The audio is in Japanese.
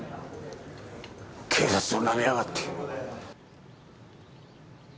警察をなめやがって！